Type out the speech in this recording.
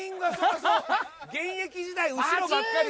現役時代後ろばっかり。